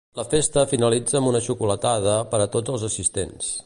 La festa finalitza amb una xocolatada per a tots els assistents.